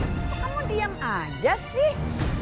kok kamu diam aja sih